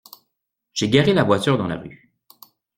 J'ai garé la voiture dans la rue.